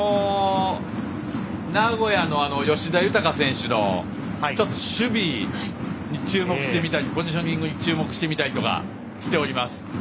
名古屋の吉田豊選手の守備に注目してみたりポジショニングに注目してみたりしています。